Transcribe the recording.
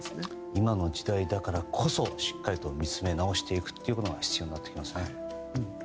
今の時代だからこそしっかりと見つめ直していくのが必要になってきますね。